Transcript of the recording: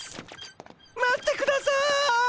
待ってください！